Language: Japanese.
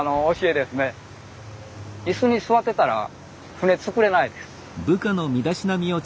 椅子に座ってたら船造れないです。